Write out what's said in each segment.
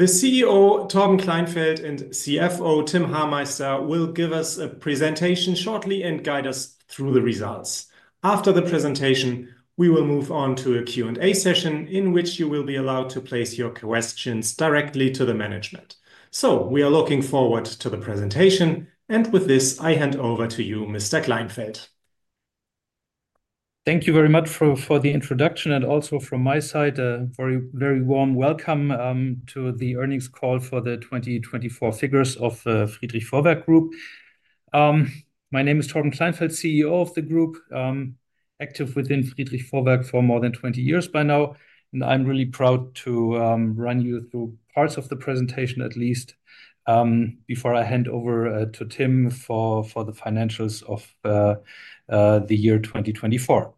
Results. After the presentation, we will move on to a Q&A session in which you will be allowed to place your questions directly to the management. We are looking forward to the presentation, and with this, I hand over to you, Mr. Kleinfeldt. Thank you very much for the introduction, and also from my side, a very warm welcome to the Earnings Call for the 2024 Figures of the Friedrich Vorwerk Group. My name is Torben Kleinfeldt, CEO of the group, active within Friedrich Vorwerk for more than 20 years by now, and I'm really proud to run you through parts of the presentation at least before I hand over to Tim for the financials of the year 2024.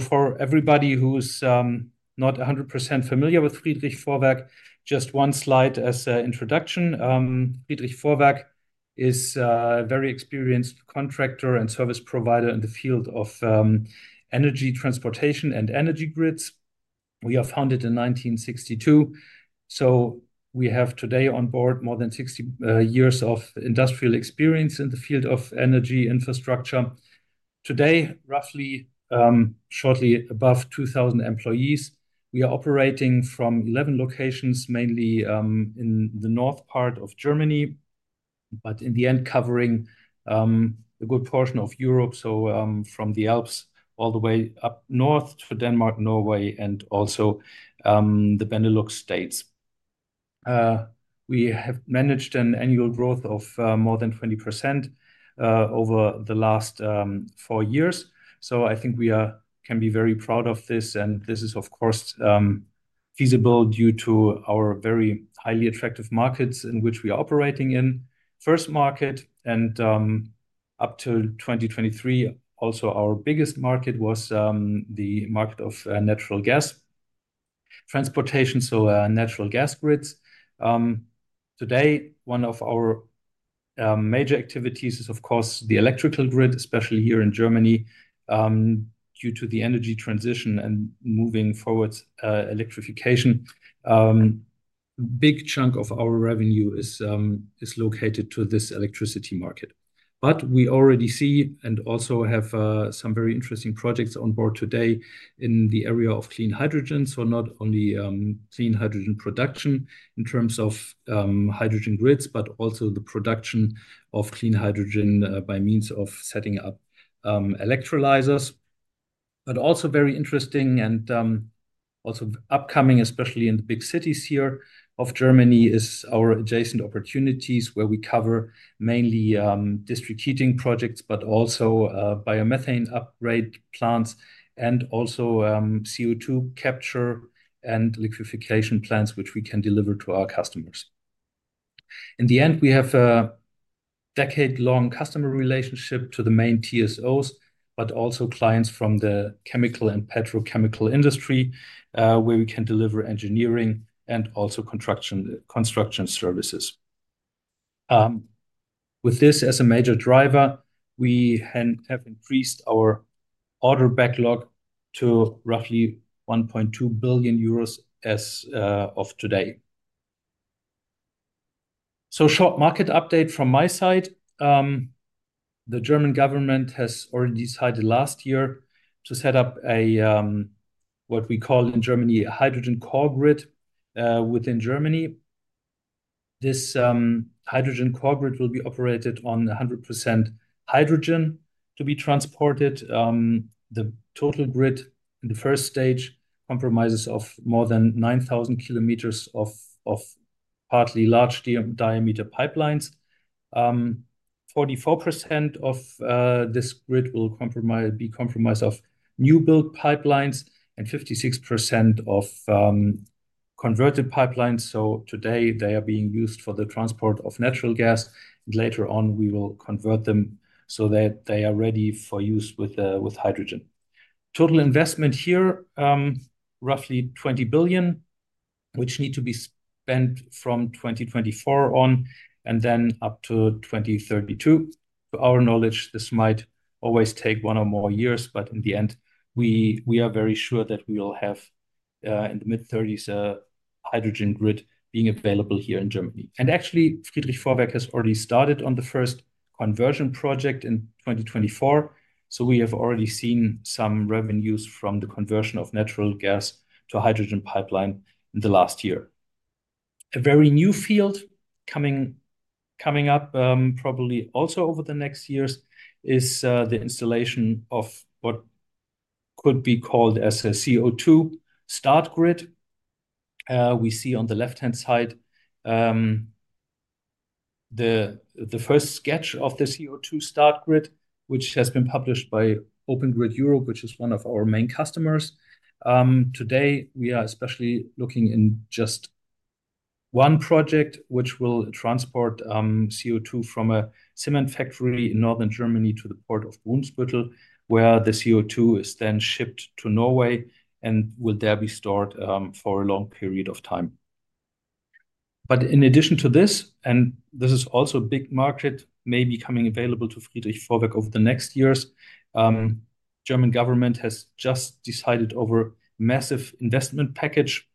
For everybody who's not 100% familiar with Friedrich Vorwerk, just one slide as an introduction. Friedrich Vorwerk is a very experienced contractor and service provider in the field of energy transportation and energy grids. We are founded in 1962, so we have today on board more than 60 years of industrial experience in the field of energy infrastructure. Today, roughly shortly above 2,000 employees. We are operating from 11 locations, mainly in the north part of Germany, but in the end covering a good portion of Europe, from the Alps all the way up north to Denmark, Norway, and also the Benelux States. We have managed an annual growth of more than 20% over the last four years. I think we can be very proud of this, and this is, of course, feasible due to our very highly attractive markets in which we are operating in. First market, and up till 2023, also our biggest market was the market of natural gas transportation, so natural gas grids. Today, one of our major activities is, of course, the electrical grid, especially here in Germany due to the energy transition and moving forward electrification. A big chunk of our revenue is located in this electricity market, but we already see and also have some very interesting projects on board today in the area of clean hydrogen. Not only clean hydrogen production in terms of hydrogen grids, but also the production of clean hydrogen by means of setting up electrolyzers. Also very interesting and also upcoming, especially in the big cities here of Germany, is our adjacent opportunities where we cover mainly district heating projects, but also biomethane upgrade plants and also CO2 capture and liquefaction plants, which we can deliver to our customers. In the end, we have a decade-long customer relationship to the main TSOs, but also clients from the chemical and petrochemical industry where we can deliver engineering and also construction services. With this as a major driver, we have increased our order backlog to roughly 1.2 billion euros as of today. Short market update from my side, the German government has already decided last year to set up what we call in Germany a hydrogen core grid within Germany. This hydrogen core grid will be operated on 100% hydrogen to be transported. The total grid in the first stage comprises more than 9,000 km of partly large diameter pipelines. 44% of this grid will be comprised of new build pipelines and 56% of converted pipelines. Today they are being used for the transport of natural gas, and later on we will convert them so that they are ready for use with hydrogen. Total investment here, roughly 20 billion, which need to be spent from 2024 on and then up to 2032. To our knowledge, this might always take one or more years, but in the end, we are very sure that we will have in the mid-2030s a hydrogen grid being available here in Germany. Actually, Friedrich Vorwerk has already started on the first conversion project in 2024, so we have already seen some revenues from the conversion of natural gas to hydrogen pipeline in the last year. A very new field coming up probably also over the next years is the installation of what could be called as a CO2 start grid. We see on the left-hand side the first sketch of the CO2 start grid, which has been published by Open Grid Europe, which is one of our main customers. Today we are especially looking in just one project, which will transport CO2 from a cement factory in northern Germany to the Port of Brunsbüttel, where the CO2 is then shipped to Norway and will there be stored for a long period of time. In addition to this, and this is also a big market maybe coming available to Friedrich Vorwerk over the next years, the German government has just decided on a massive investment package,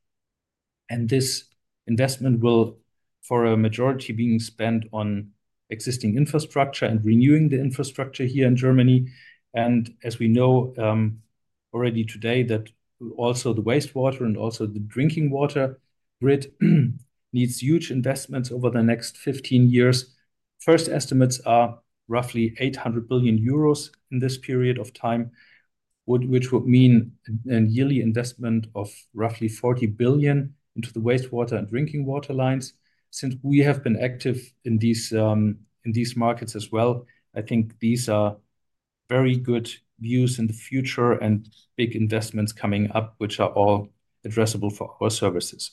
and this investment will for a majority be spent on existing infrastructure and renewing the infrastructure here in Germany. As we know already today that also the wastewater and also the drinking water grid needs huge investments over the next 15 years. First estimates are roughly 800 billion euros in this period of time, which would mean a yearly investment of roughly 40 billion into the wastewater and drinking water lines. Since we have been active in these markets as well, I think these are very good views in the future and big investments coming up, which are all addressable for our services.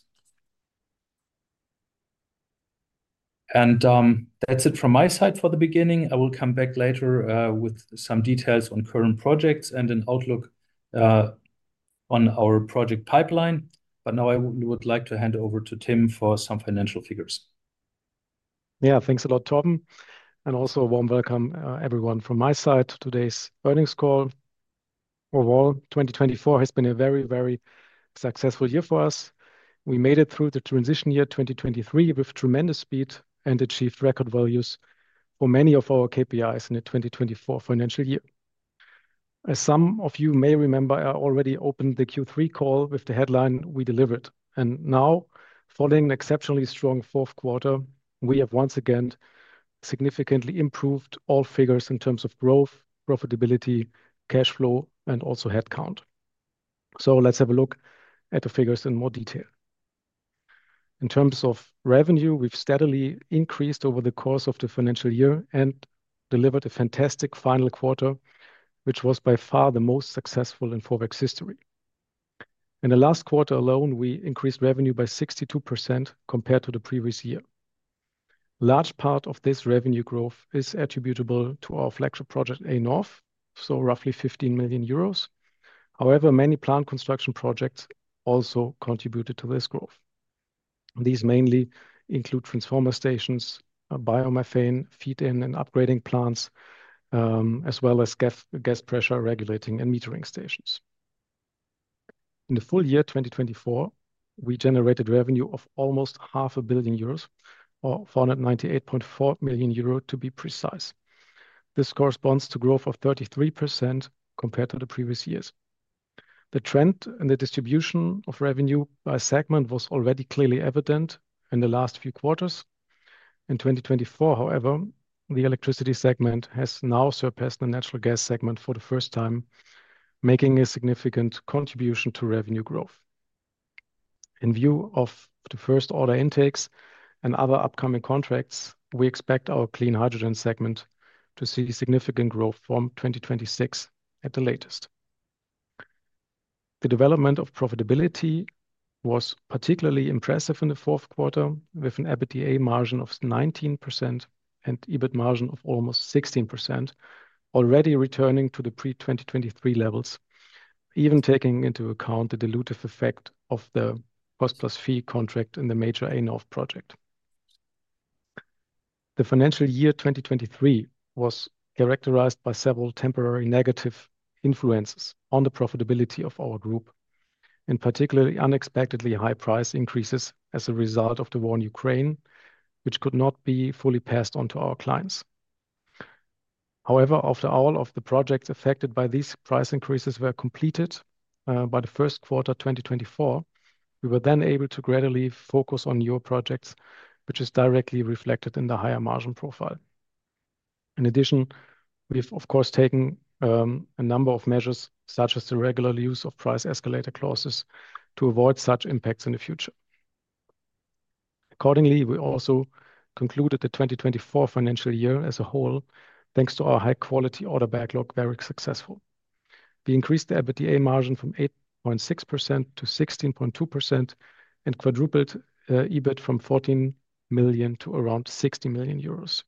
That is it from my side for the beginning. I will come back later with some details on current projects and an outlook on our project pipeline, but now I would like to hand over to Tim for some financial figures. Yeah, thanks a lot, Torben, and also a warm welcome everyone from my side to today's earnings call. Overall, 2024 has been a very, very successful year for us. We made it through the transition year 2023 with tremendous speed and achieved record values for many of our KPIs in the 2024 financial year. As some of you may remember, I already opened the Q3 call with the headline "We Delivered," and now following an exceptionally strong fourth quarter, we have once again significantly improved all figures in terms of growth, profitability, cash flow, and also headcount. Let's have a look at the figures in more detail. In terms of revenue, we've steadily increased over the course of the financial year and delivered a fantastic final quarter, which was by far the most successful in Vorwerk's history. In the last quarter alone, we increased revenue by 62% compared to the previous year. A large part of this revenue growth is attributable to our flagship project A-Nord, so roughly 15 million euros. However, many plant construction projects also contributed to this growth. These mainly include transformer stations, biomethane feed-in and upgrading plants, as well as gas pressure regulating and metering stations. In the full year 2024, we generated revenue of almost 500 million euros or 498.4 million euro to be precise. This corresponds to a growth of 33% compared to the previous years. The trend in the distribution of revenue by segment was already clearly evident in the last few quarters. In 2024, however, the electricity segment has now surpassed the natural gas segment for the first time, making a significant contribution to revenue growth. In view of the first-order intakes and other upcoming contracts, we expect our clean hydrogen segment to see significant growth from 2026 at the latest. The development of profitability was particularly impressive in the fourth quarter, with an EBITDA margin of 19% and EBIT margin of almost 16%, already returning to the pre-2023 levels, even taking into account the dilutive effect of the cost-plus-fee contract in the major A-Nord project. The financial year 2023 was characterized by several temporary negative influences on the profitability of our group, in particular unexpectedly high price increases as a result of the one in Ukraine, which could not be fully passed on to our clients. However, after all of the projects affected by these price increases were completed by the first quarter 2024, we were then able to gradually focus on newer projects, which is directly reflected in the higher margin profile. In addition, we have, of course, taken a number of measures, such as the regular use of price escalator clauses, to avoid such impacts in the future. Accordingly, we also concluded the 2024 financial year as a whole, thanks to our high-quality order backlog, very successful. We increased the EBITDA margin from 8.6%-16.2% and quadrupled EBIT from 14 million to around 60 million euros.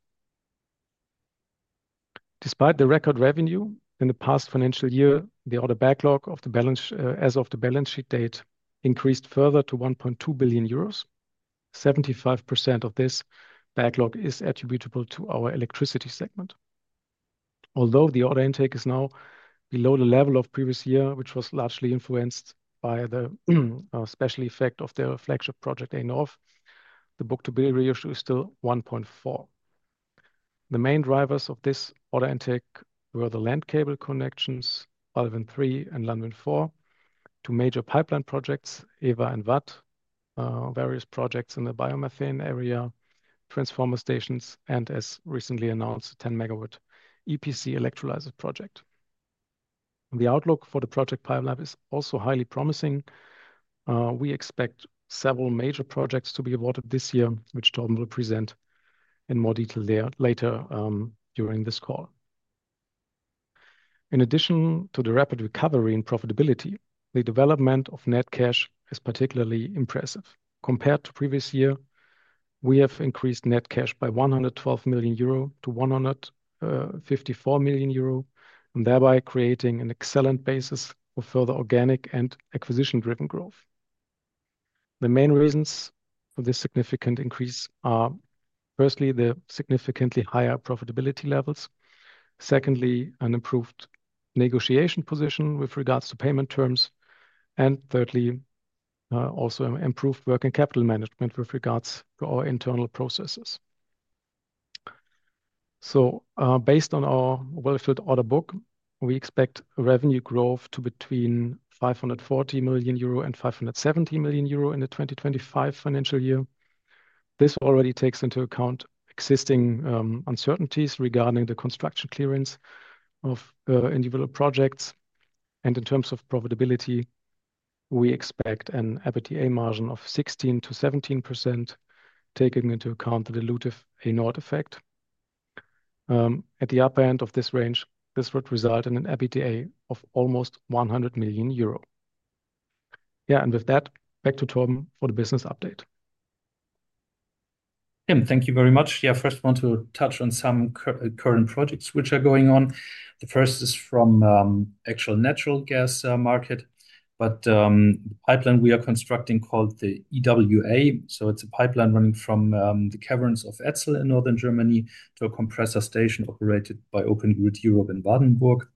Despite the record revenue in the past financial year, the order backlog as of the balance sheet date increased further to 1.2 billion euros. 75% of this backlog is attributable to our electricity segment. Although the order intake is now below the level of previous year, which was largely influenced by the special effect of the flagship project A-Nord, the book-to-bill ratio is still 1.4. The main drivers of this order intake were the land cable connections, BalWin3 and LanWin4, two major pipeline projects, EWA and WAT, various projects in the biomethane area, transformer stations, and as recently announced, a 10 MW EPC electrolyzer project. The outlook for the project pipeline is also highly promising. We expect several major projects to be awarded this year, which Torben will present in more detail later during this call. In addition to the rapid recovery in profitability, the development of net cash is particularly impressive. Compared to previous year, we have increased net cash by 112 million-154 million euro and thereby creating an excellent basis for further organic and acquisition-driven growth. The main reasons for this significant increase are, firstly, the significantly higher profitability levels, secondly, an improved negotiation position with regards to payment terms, and thirdly, also improved work and capital management with regards to our internal processes. Based on our well-filled order book, we expect revenue growth to between 540 million euro and 570 million euro in the 2025 financial year. This already takes into account existing uncertainties regarding the construction clearance of individual projects, and in terms of profitability, we expect an EBITDA margin of 16%-17%, taking into account the dilutive A-Nord effect. At the upper end of this range, this would result in an EBITDA of almost 100 million euro. Yeah, and with that, back to Torben for the business update. And thank you very much. Yeah, I first want to touch on some current projects which are going on. The first is from the actual natural gas market, but the pipeline we are constructing is called the EWA, so it's a pipeline running from the caverns of Etzel in northern Germany to a compressor station operated by Open Grid Europe in Wartenburg.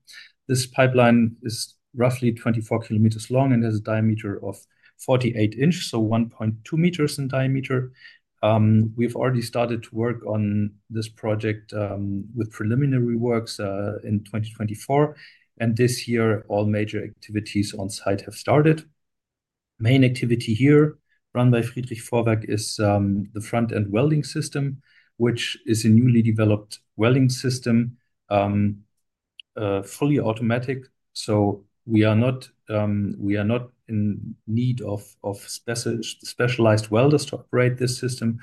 This pipeline is roughly 24 km long and has a diameter of 4 in, so 1.2 m in diameter. We've already started to work on this project with preliminary works in 2024, and this year all major activities on site have started. Main activity here run by Friedrich Vorwerk is the front-end welding system, which is a newly developed welding system, fully automatic, so we are not in need of specialized welders to operate this system.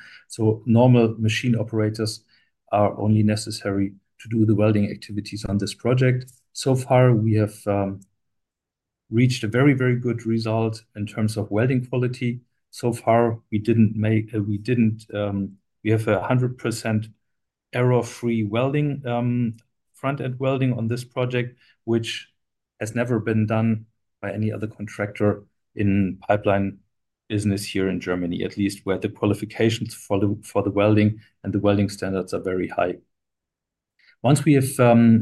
Normal machine operators are only necessary to do the welding activities on this project. So far, we have reached a very, very good result in terms of welding quality. So far, we did not have a 100% error-free front-end welding on this project, which has never been done by any other contractor in pipeline business here in Germany, at least where the qualifications for the welding and the welding standards are very high. Once we have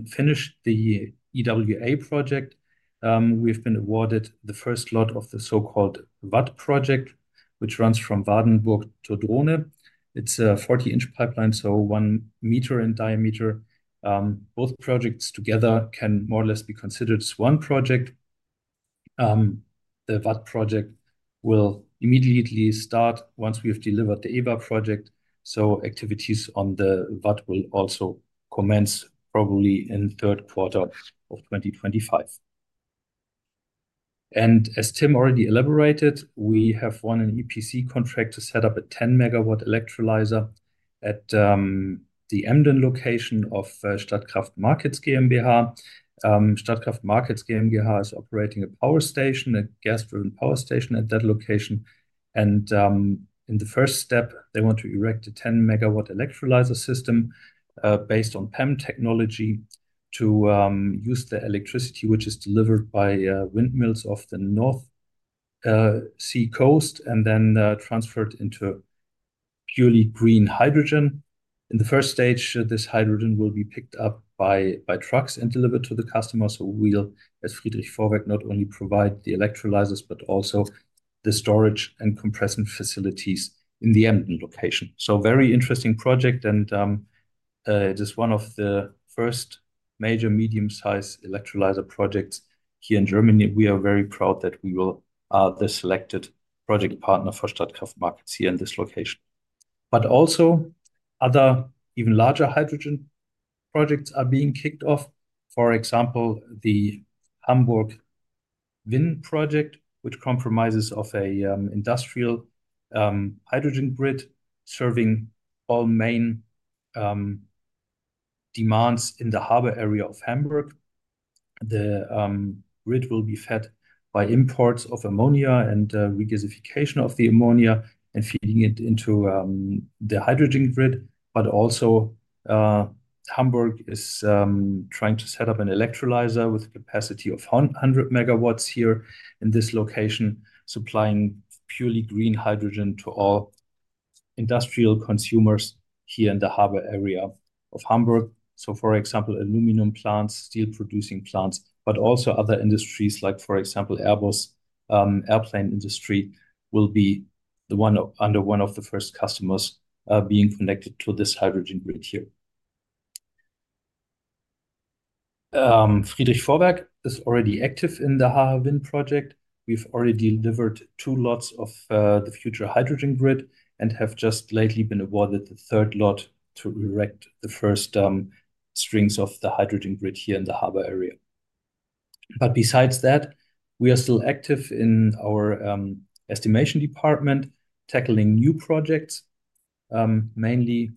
finished the EWA project, we have been awarded the first lot of the so-called WAT project, which runs from Wartenburg to Drone. It is a 40 in pipeline, so 1 m in diameter. Both projects together can more or less be considered one project. The WAT project will immediately start once we have delivered the EWA project, so activities on the WAT will also commence probably in the third quarter of 2025. As Tim already elaborated, we have won an EPC contract to set up a 10 MW electrolyzer at the Emden location of Statkraft Markets GmbH. Statkraft Markets GmbH is operating a power station, a gas-driven power station at that location, and in the first step, they want to erect a 10 MW electrolyzer system based on PEM technology to use the electricity which is delivered by windmills off the North Sea Coast and then transferred into purely green hydrogen. In the first stage, this hydrogen will be picked up by trucks and delivered to the customer, so we, as Friedrich Vorwerk, not only provide the electrolyzers but also the storage and compression facilities in the Emden location. Very interesting project, and it is one of the first major medium-sized electrolyzer projects here in Germany. We are very proud that we are the selected project partner for Statkraft Markets here in this location. Also, other even larger hydrogen projects are being kicked off, for example, the Hamburg Wind Project, which comprises an industrial hydrogen grid serving all main demands in the harbor area of Hamburg. The grid will be fed by imports of ammonia and regasification of the ammonia and feeding it into the hydrogen grid. Hamburg is trying to set up an electrolyzer with a capacity of 100 MW here in this location, supplying purely green hydrogen to all industrial consumers here in the harbor area of Hamburg. For example, aluminum plants, steel-producing plants, but also other industries like, for example, Airbus, the airplane industry will be one of the first customers being connected to this hydrogen grid here. Friedrich Vorwerk is already active in the Hamburg Project. We've already delivered two lots of the future hydrogen grid and have just lately been awarded the third lot to erect the first strings of the hydrogen grid here in the harbor area. Besides that, we are still active in our estimation department, tackling new projects, mainly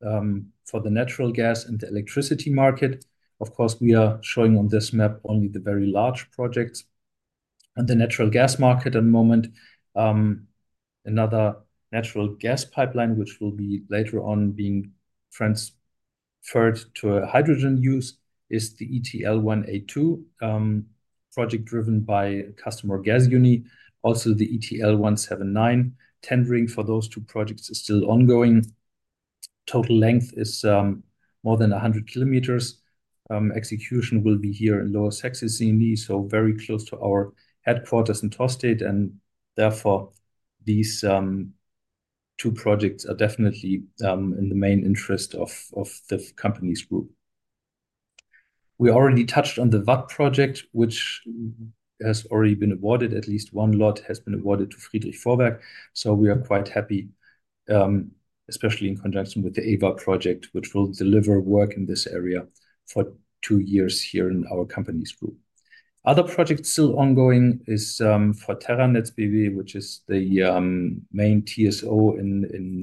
for the natural gas and the electricity market. Of course, we are showing on this map only the very large projects. On the natural gas market at the moment, another natural gas pipeline, which will be later on being transferred to hydrogen use, is the ETL 182 project driven by customer Gasunie. Also, the ETL 179 tendering for those two projects is still ongoing. Total length is more than 100 km. Execution will be here in Lower Saxony, so very close to our headquarters in Tostedt, and therefore these two projects are definitely in the main interest of the company's group. We already touched on the BAC project, which has already been awarded. At least one lot has been awarded to Friedrich Vorwerk, so we are quite happy, especially in conjunction with the EWA project, which will deliver work in this area for two years here in our company's group. Other projects still ongoing are for terranets bw, which is the main TSO in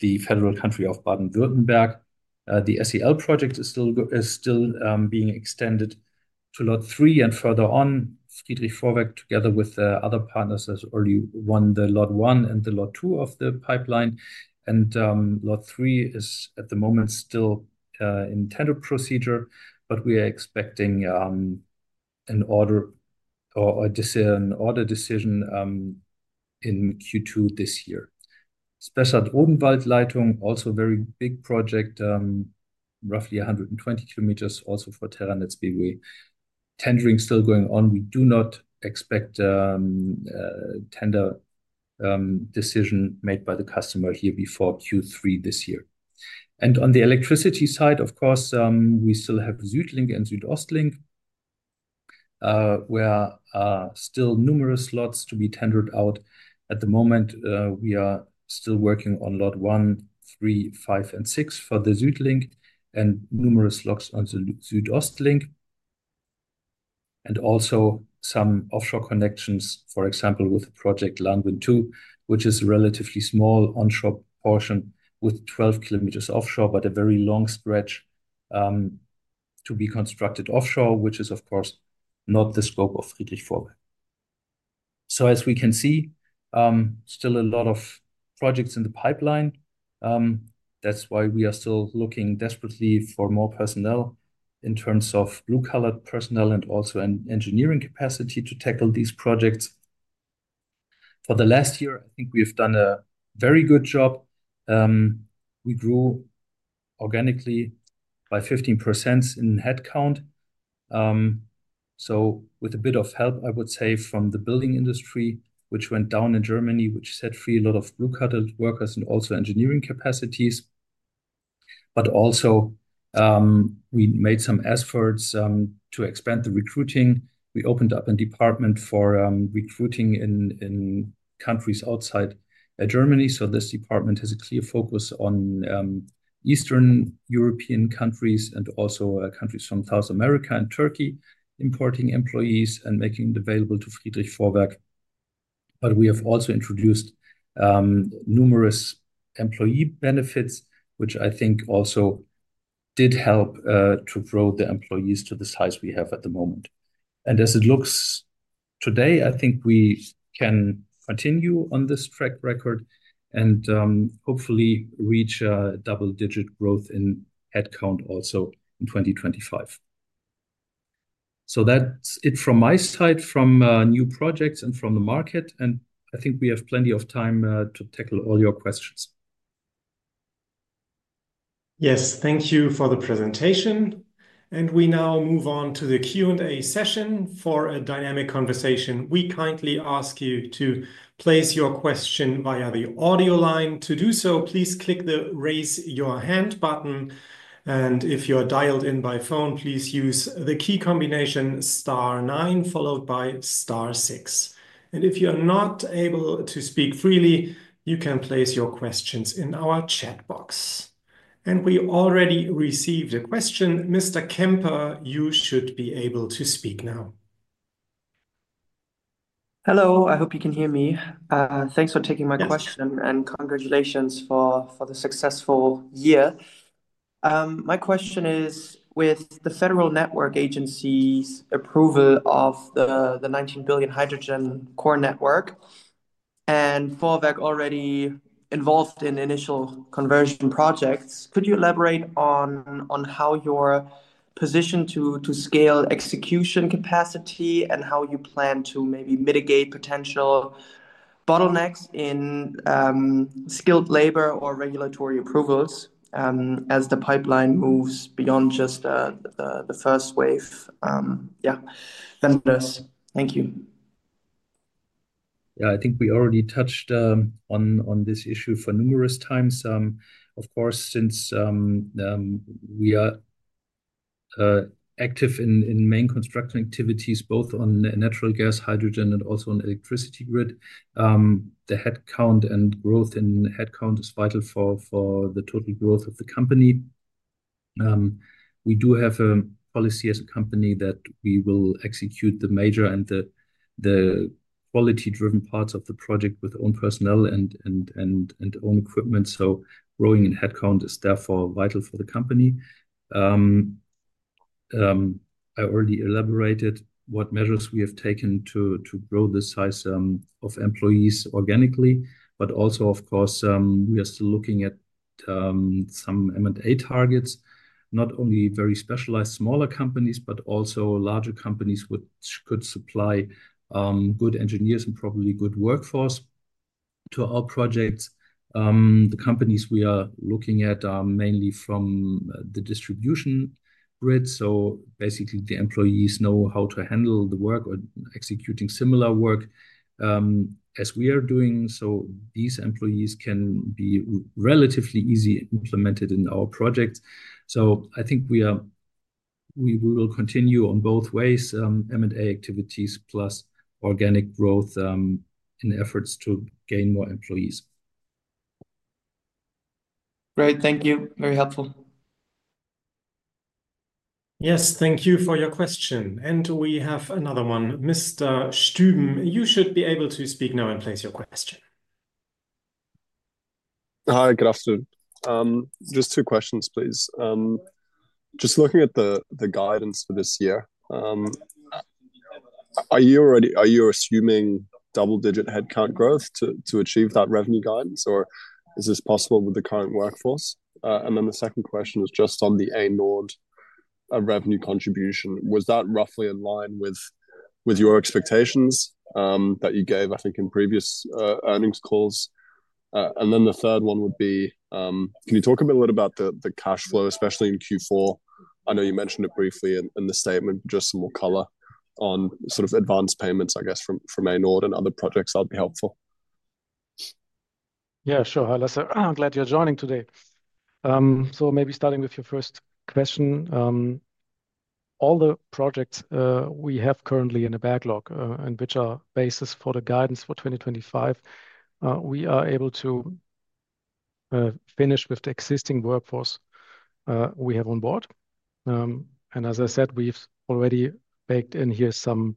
the federal country of Baden-Württemberg. The SEL project is still being extended to Lot 3, and further on, Friedrich Vorwerk together with other partners has already won the Lot 1 and the Lot 2 of the pipeline, and Lot 3 is at the moment still in tender procedure, but we are expecting an order decision in Q2 this year. Spessart Odenwald Leitung, also a very big project, roughly 120 km, also for terranets bw. Tendering is still going on. We do not expect a tender decision made by the customer here before Q3 this year. On the electricity side, of course, we still have Südlink and Südostlink. There are still numerous lots to be tendered out. At the moment, we are still working on Lot 1, 3, 5, and 6 for the Südlink and numerous lots on the Südostlink, and also some offshore connections, for example, with the project LanWin2, which is a relatively small onshore portion with 12 km offshore, but a very long stretch to be constructed offshore, which is, of course, not the scope of Friedrich Vorwerk. As we can see, still a lot of projects in the pipeline. That is why we are still looking desperately for more personnel in terms of blue-collar personnel and also engineering capacity to tackle these projects. For the last year, I think we have done a very good job. We grew organically by 15% in headcount. With a bit of help, I would say, from the building industry, which went down in Germany, which set free a lot of blue-collar workers and also engineering capacities. We made some efforts to expand the recruiting. We opened up a department for recruiting in countries outside Germany. This department has a clear focus on Eastern European countries and also countries from South America and Turkey importing employees and making it available to Friedrich Vorwerk. We have also introduced numerous employee benefits, which I think also did help to grow the employees to the size we have at the moment. As it looks today, I think we can continue on this track record and hopefully reach a double-digit growth in headcount also in 2025. That is it from my side from new projects and from the market, and I think we have plenty of time to tackle all your questions. Yes, thank you for the presentation, and we now move on to the Q&A session. For a dynamic conversation, we kindly ask you to place your question via the audio line. To do so, please click the raise your hand button. If you are dialed in by phone, please use the key combination star nine followed by star six. If you are not able to speak freely, you can place your questions in our chat box. We already received a question. Mr. Kemper, you should be able to speak now. Hello, I hope you can hear me. Thanks for taking my question and congratulations for the successful year. My question is, with the federal network agency's approval of the 19 billion hydrogen core network, and Vorwerk already involved in initial conversion projects, could you elaborate on how you're positioned to scale execution capacity and how you plan to maybe mitigate potential bottlenecks in skilled labor or regulatory approvals as the pipeline moves beyond just the first wave? Yeah, thank you. Yeah, I think we already touched on this issue for numerous times. Of course, since we are active in main construction activities, both on natural gas, hydrogen, and also on electricity grid, the headcount and growth in headcount is vital for the total growth of the company. We do have a policy as a company that we will execute the major and the quality-driven parts of the project with own personnel and own equipment, so growing in headcount is therefore vital for the company. I already elaborated what measures we have taken to grow the size of employees organically, but also, of course, we are still looking at some M&A targets, not only very specialized smaller companies, but also larger companies which could supply good engineers and probably good workforce to our projects. The companies we are looking at are mainly from the distribution grid, so basically the employees know how to handle the work or executing similar work as we are doing, so these employees can be relatively easily implemented in our projects. I think we will continue on both ways, M&A activities plus organic growth in efforts to gain more employees. Great, thank you. Very helpful. Yes, thank you for your question, and we have another one. Mr. Stüben, you should be able to speak now and place your question. Just two questions, please. Just looking at the guidance for this year, are you assuming double-digit headcount growth to achieve that revenue guidance, or is this possible with the current workforce? The second question is just on the annual revenue contribution. Was that roughly in line with your expectations that you gave, I think, in previous earnings calls? The third one would be, can you talk a bit about the cash flow, especially in Q4? I know you mentioned it briefly in the statement, but just some more color on sort of advanced payments, I guess, from annual and other projects that would be helpful. Yeah, sure. I'm glad you're joining today. Maybe starting with your first question, all the projects we have currently in the backlog, and which are basis for the guidance for 2025, we are able to finish with the existing workforce we have on board. As I said, we've already baked in here some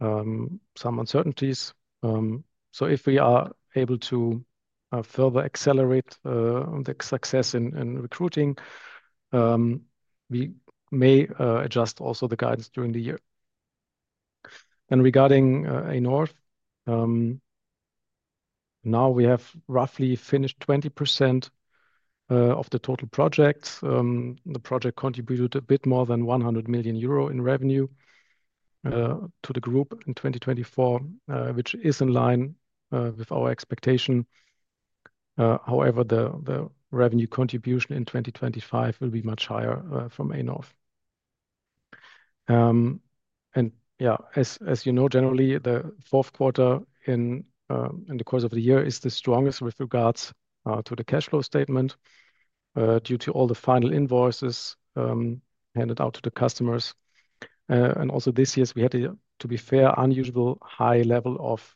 uncertainties. If we are able to further accelerate the success in recruiting, we may adjust also the guidance during the year. Regarding A-Nord, we have roughly finished 20% of the total projects. The project contributed a bit more than 100 million euro in revenue to the group in 2024, which is in line with our expectation. However, the revenue contribution in 2025 will be much higher from A-Nord. Yeah, as you know, generally, the fourth quarter in the course of the year is the strongest with regards to the cash flow statement due to all the final invoices handed out to the customers. Also this year, we had, to be fair, an unusually high level of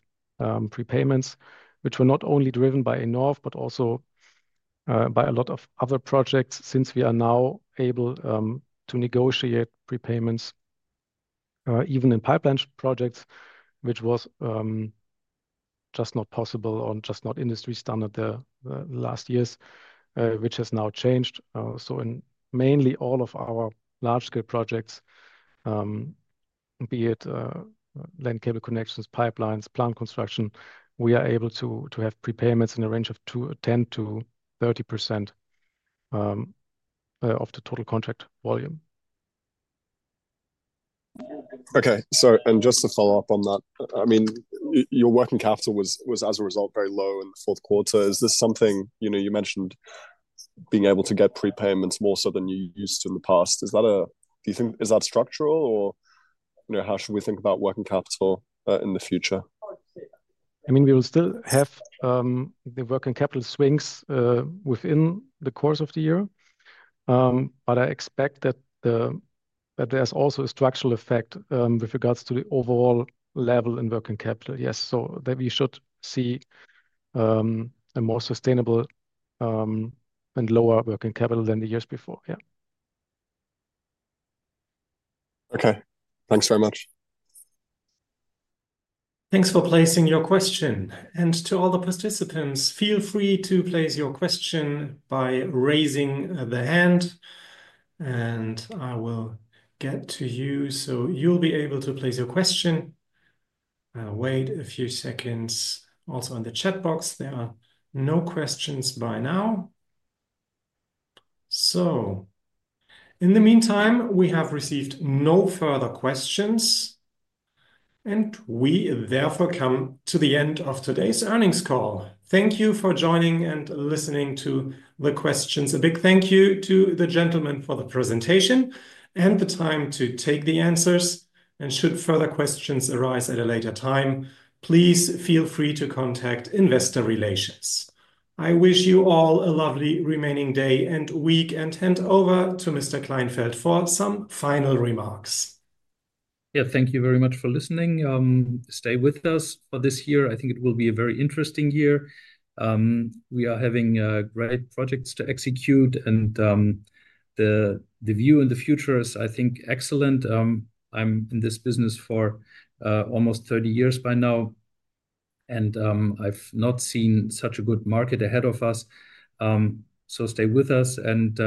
prepayments, which were not only driven by annual, but also by a lot of other projects since we are now able to negotiate prepayments even in pipeline projects, which was just not possible or just not industry standard the last years, which has now changed. Mainly all of our large-scale projects, be it land cable connections, pipelines, plant construction, we are able to have prepayments in a range of 10%-30% of the total contract volume. Okay, sorry, and just to follow up on that, I mean, your working capital was, as a result, very low in the fourth quarter. Is this something you mentioned being able to get prepayments more so than you used to in the past? Do you think is that structural, or how should we think about working capital in the future? I mean, we will still have the working capital swings within the course of the year, but I expect that there's also a structural effect with regards to the overall level in working capital, yes. I expect that we should see a more sustainable and lower working capital than the years before, yeah. Okay, thanks very much. Thanks for placing your question. To all the participants, feel free to place your question by raising the hand, and I will get to you so you'll be able to place your question. I'll wait a few seconds. Also, in the chat box, there are no questions by now. In the meantime, we have received no further questions, and we therefore come to the end of today's earnings call. Thank you for joining and listening to the questions. A big thank you to the gentlemen for the presentation and the time to take the answers. Should further questions arise at a later time, please feel free to contact Investor Relations. I wish you all a lovely remaining day and week, and hand over to Mr. Kleinfeldt for some final remarks. Yeah, thank you very much for listening. Stay with us for this year. I think it will be a very interesting year. We are having great projects to execute, and the view in the future is, I think, excellent. I'm in this business for almost 30 years by now, and I've not seen such a good market ahead of us. Stay with us, and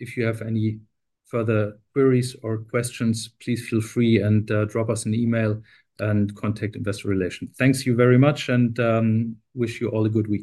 if you have any further queries or questions, please feel free and drop us an email and contact Investor Relations. Thank you very much, and wish you all a good week.